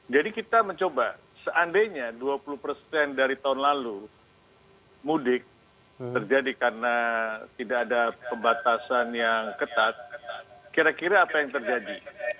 kita mencoba seandainya dua puluh persen dari tahun lalu mudik terjadi karena tidak ada pembatasan yang ketat kira kira apa yang terjadi